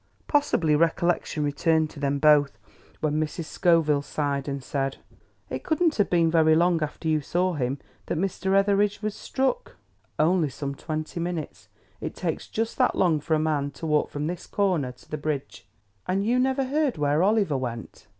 Possibly recollection returned to them both, when Mrs. Scoville sighed and said: "It couldn't have been very long after you saw him that Mr. Etheridge was struck?" "Only some twenty minutes. It takes just that long for a man to walk from this corner to the bridge." "And you never heard where Oliver went?"